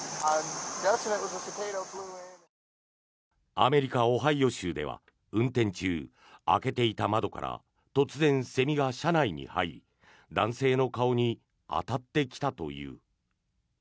アメリカ・オハイオ州では運転中開けていた窓から突然、セミが車内に入り男性の顔に当たってきたという。